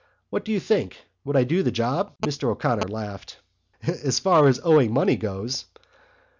What do you think? Would I do for the job?" Mr O'Connor laughed. "So far as owing money goes...."